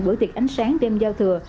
bữa tiệc ánh sáng đêm giao thừa